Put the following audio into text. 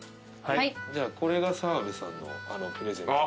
じゃあこれが澤部さんのプレゼント。